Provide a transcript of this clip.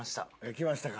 きましたか。